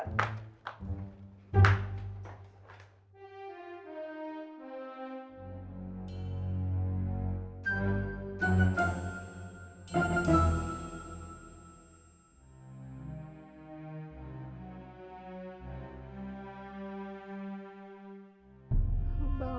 siapkan tangan siapkan tangan